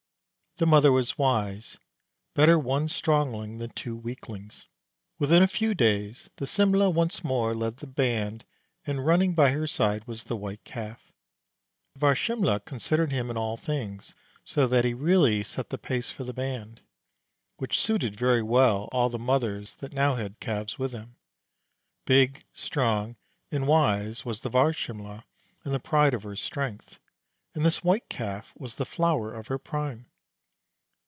The mother was wise: better one strongling than two weaklings. Within a few days the Simle' once more led the band, and running by her side was the White Calf. The Varsimle' considered him in all things, so that he really set the pace for the band, which suited very well all the mothers that now had Calves with them. Big, strong, and wise was the Varsimle', in the pride of her strength, and this White Calf was the flower of her prime.